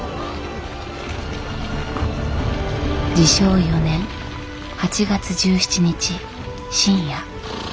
治承４年８月１７日深夜。